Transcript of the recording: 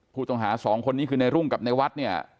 ผู้ต้องหาสองคนนี้คือในรุ่งกับในวัดเนี่ย